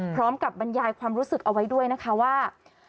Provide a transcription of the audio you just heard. บรรยายความรู้สึกเอาไว้ด้วยนะคะว่า